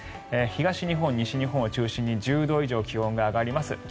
東日本、西日本を中心に１０度以上気温が上がります。